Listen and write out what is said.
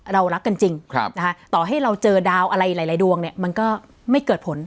เรารักกันจริงต่อให้เราเจอดาวอะไรหลายดวงเนี่ยมันก็ไม่เกิดผล